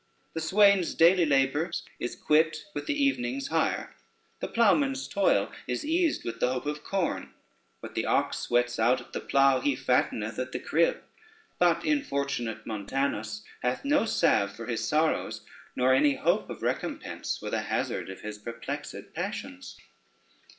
The swain's daily labors is quit with the evening's hire, the ploughman's toil is eased with the hope of corn, what the ox sweats out at the plough he fatteneth at the crib; but infortunate Montanus hath no salve for his sorrows, nor any hope of recompense for the hazard of his perplexed passions.